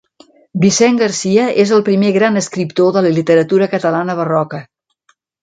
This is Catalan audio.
Vicent Garcia és el primer gran escriptor de la literatura catalana barroca.